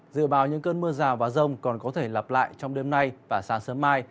dự báo những cơn mưa rào và rông còn có thể lặp lại trong đêm nay và sáng sớm mai